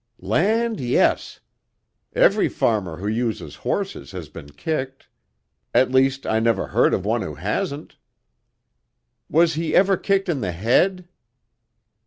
"Land yes! Every farmer who uses horses has been kicked. At least, I never heard of one who hasn't." "Was he ever kicked in the head?"